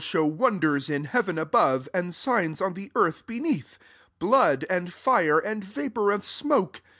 show wonders in heaven above, and signs on the earth beneath ; blood) and fire, and vapour of smoke.